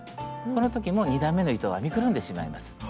この時も２段めの糸を編みくるんでしまいます。